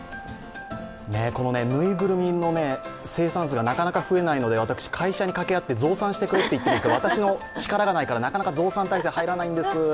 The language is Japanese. このぬいぐるみの生産数がなかなか増えないので私、会社に掛け合って増産してくれって言ってるんですけど、私の力がないからなかなか増産体制に入らないんです。